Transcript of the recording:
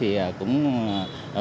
bên cạnh đó